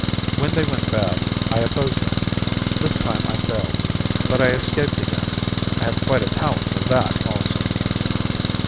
When they went bad, I opposed them. This time I failed. But I escaped again. I have quite a talent for that also.